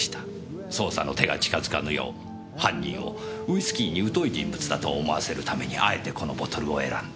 捜査の手が近づかぬよう犯人をウイスキーに疎い人物だと思わせるためにあえてこのボトルを選んだ。